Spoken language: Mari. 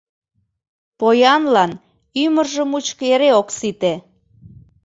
Поянлан ӱмыржӧ мучко эре ок сите!